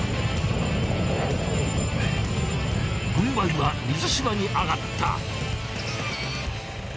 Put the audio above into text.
軍配は水嶋にあがった。